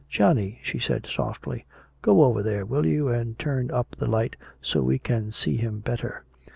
"Johnny," she said softly, "go over there, will you, and turn up the light, so we can see him better."